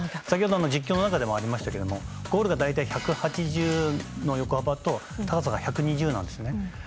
先ほど実況の中でもありましたがゴールが大体１８０の横幅と縦が１２０なんですね。